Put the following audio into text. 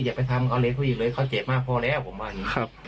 อย่าไปทำเขาเล่นผู้หญิงเลยเขาเจ็บมากพอแล้วผมว่านี้ครับ